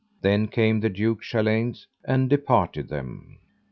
Then came the Duke Chaleins and departed them.